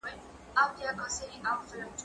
زه بايد کتابونه وړم!؟